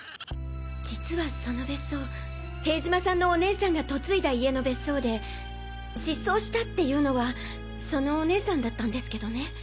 実はその別荘塀島さんのお姉さんが嫁いだ家の別荘で失踪したっていうのはそのお姉さんだったんですけどね。